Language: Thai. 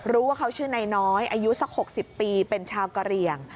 รู้ว่าเขาชื่อนายน้อยอายุสัก๖๐ปีเป็นชาวกะเหลี่ยง